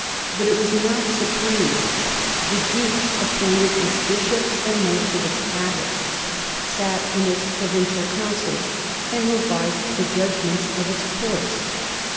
But it was not supreme. The duke appointed its bishops and most of its abbots, sat in its provincial 72 NORMANS IN EUROPEAN HISTORY councils, and revised the judgments of its courts.